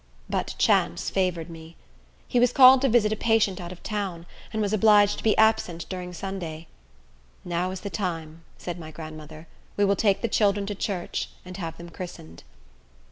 But chance favored me. He was called to visit a patient out of town, and was obliged to be absent during Sunday. "Now is the time," said my grandmother; "we will take the children to church, and have them christened."